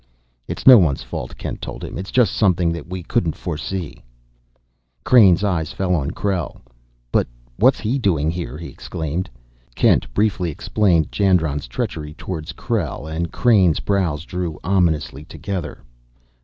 "It's no one's fault," Kent told him. "It's just something that we couldn't foresee." Crain's eyes fell on Krell. "But what's he doing here?" he exclaimed. Kent briefly explained Jandron's treachery toward Krell, and Crain's brows drew ominously together.